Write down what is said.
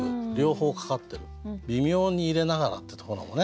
「微妙に入れながら」ってところもね。